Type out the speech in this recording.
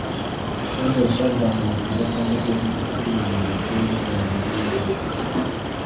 “Unesha nzamuha kurya ku mbuto z’igiti cy’ubugingo kiri muri Paradiso y’Imana.